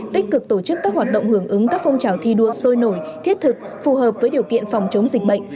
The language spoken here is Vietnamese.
tích cực tổ chức các hoạt động hưởng ứng các phong trào thi đua sôi nổi thiết thực phù hợp với điều kiện phòng chống dịch bệnh